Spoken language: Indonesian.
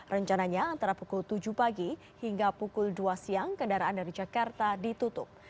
rencananya antara pukul tujuh pagi hingga pukul dua siang kendaraan dari jakarta ditutup